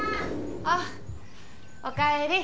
あおかえり。